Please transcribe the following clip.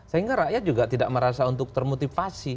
sehingga rakyat juga tidak merasa untuk termotivasi